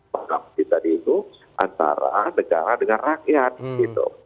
bahkan kita diukur antara negara dengan rakyat gitu